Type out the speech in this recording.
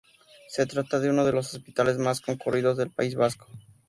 Se trata de uno de los hospitales más concurridos del País Vasco.